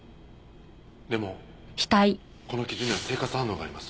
でもこの傷には生活反応があります。